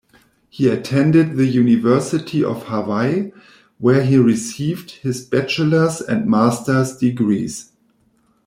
He attended the University of Hawaii, where he received his bachelor's and master's degrees.